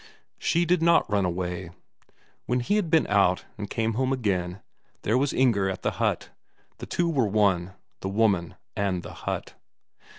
She did not run away. When he had been out, and came home again, there was Inger at the hut; the two were one, the woman and the hut.